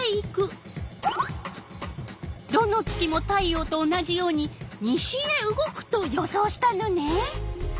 どの月も太陽と同じように西へ動くと予想したのね。